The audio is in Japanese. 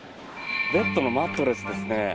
ベッドのマットレスですね。